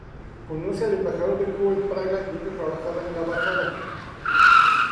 Conoce al embajador de Cuba en Praga y entra a trabajar en la embajada.